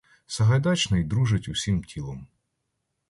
Сагайдачний дрижить усім тілом.